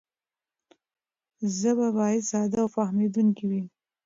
ژبه باید ساده او فهمېدونکې وي.